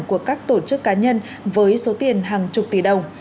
của các tổ chức cá nhân với số tiền hàng chục tỷ đồng